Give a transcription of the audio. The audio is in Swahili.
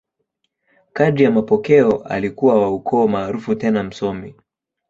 Kadiri ya mapokeo, alikuwa wa ukoo maarufu tena msomi.